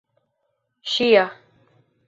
ŝia